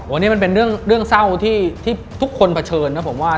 วันนี้มันเป็นเรื่องเศร้าที่ทุกคนเผชิญนะผมว่า